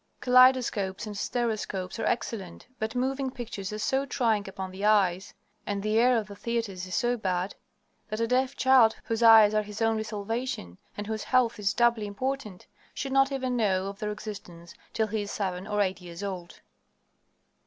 Kaleidoscopes and stereoscopes are excellent, but moving pictures are so trying upon the eyes, and the air of the theaters is so bad, that a deaf child whose eyes are his only salvation, and whose health is doubly important, should not even know of their existence till he is seven or eight years old.